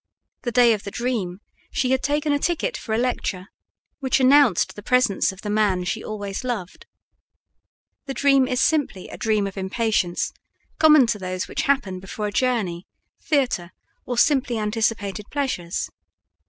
The day of the dream she had taken a ticket for a lecture, which announced the presence of the man she always loved. The dream is simply a dream of impatience common to those which happen before a journey, theater, or simply anticipated pleasures.